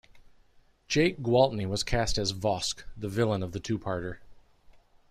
Jack Gwaltney was cast as Vosk, the villain of the two-parter.